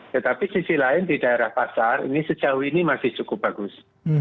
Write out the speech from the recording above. tetapi sisi lain di daerah pasar ini sejauh ini masih cukup bagus